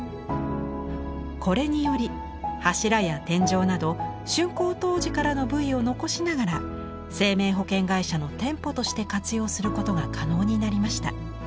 これにより柱や天井など竣工当時からの部位を残しながら生命保険会社の店舗として活用することが可能になりました。